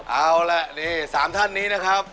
เอาล่ะนี่๓ท่านนี้นะครับ